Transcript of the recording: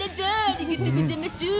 ありがとござます。